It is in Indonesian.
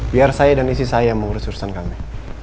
biar saya dan istri saya yang mengurus urusan kami